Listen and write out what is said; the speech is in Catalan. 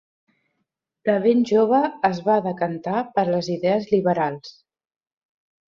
De ben jove es va decantar per les idees liberals.